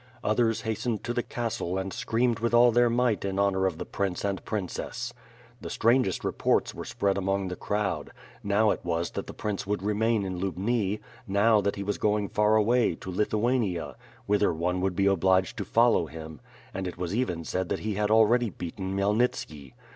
Others hastened to the castle and screamed with all their might in honor of the prince and princess. The strangest reports were spread among the crowd: now it was that the prince would remain in Lubni; now that he was going far away, to Lithuania, whither one would be obliged to follow him; and it was even said that he had already beaten Khmyelnitski.